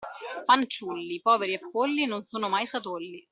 Fanciulli, poveri e polli, non sono mai satolli.